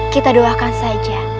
kita doakan saja